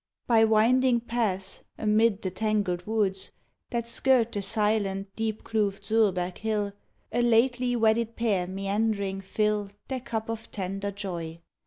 By winding paths, amid the tangled woods That skirt the silent deep kloofed Zuurberg hill, A lately wedded pair meandering, fill Their cup of tender joy.